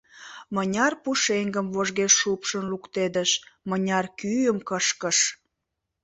Мыняр пушеҥгым вожге шупшын луктедыш, мыняр кӱым кышкыш!